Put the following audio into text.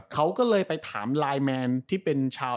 เขาก็เลยไปถามไลน์แมนที่เป็นชาว